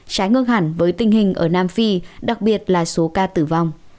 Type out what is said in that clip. trái ngược hẳn với tình hình ở nam phi đặc biệt là số ca tử vong